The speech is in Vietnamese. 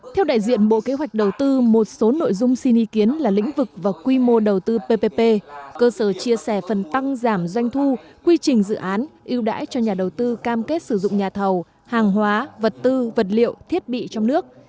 theo đại diện bộ kế hoạch đầu tư một số nội dung xin ý kiến là lĩnh vực và quy mô đầu tư ppp cơ sở chia sẻ phần tăng giảm doanh thu quy trình dự án ưu đãi cho nhà đầu tư cam kết sử dụng nhà thầu hàng hóa vật tư vật liệu thiết bị trong nước